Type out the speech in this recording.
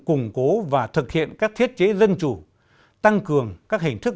củng cố và thực hiện các thiết chế dân chủ tăng cường các hình thức